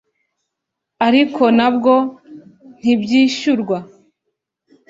ariko na bwo ntibyishyurwa